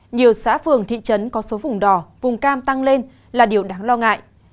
nhiều xã phường thị trấn có số vùng đỏ vùng cam tăng lên là điều đáng lo ngại